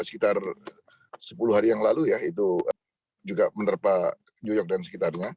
sekitar sepuluh hari yang lalu ya itu juga menerpa new york dan sekitarnya